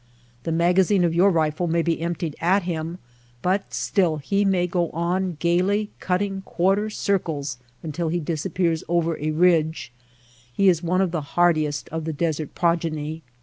The magazine of your rifle may be emptied at him ; and still he may go on, gayly cutting quarter circles, until he disappears over the ridge. He is one of the hardiest of the desert progeny.